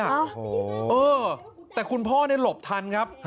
โอ้โหแต่คุณที่พ่อหลบทันครับ